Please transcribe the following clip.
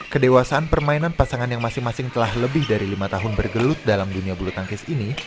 kedewasaan permainan pasangan yang masing masing telah lebih dari lima tahun bergelut dalam dunia bulu tangkis ini